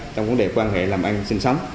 trong quan hệ làm ăn sinh sống